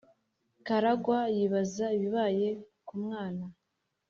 Karagwa yibaza ibibaye ku mwana